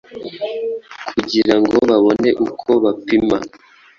kugira ngo babone uko bapima